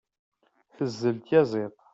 Tezdel tyaẓiḍt.